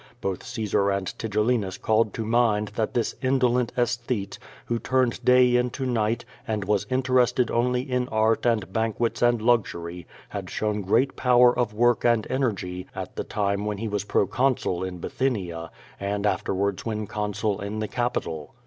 Both Caesar and Tigellinus called to mind that this indolent aesthete, who turned day into night, and was interested only in art and banquets and luxury, had shown great power of work and energy at the time when he was pro consul in Bithynia, and afterwards when consul in the capital.